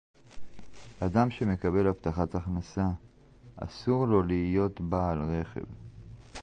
אדם שמקבל הבטחת הכנסה אסור לו להיות בעל רכב